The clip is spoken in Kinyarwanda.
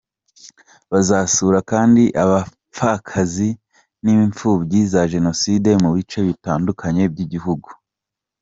Bazasura kandi abapfakazi n’imfubyi za jenoside mu bice bitandukanye by’igihugu.